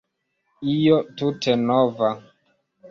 Io tute nova.